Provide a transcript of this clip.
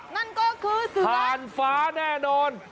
นั่นก็คือเสร็จห่านฟ้าแน่นอน